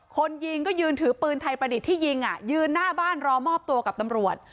คนยิงก็ยืนถือปืนไทยประดิษฐ์ที่ยิงยืนหน้าบ้านรอมอบตัวกับตำรวจ